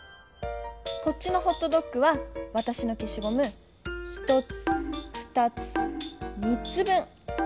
こっちのホットドッグはわたしのけしごむ１つ２つ３つ分。